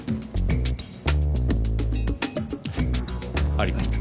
ありました。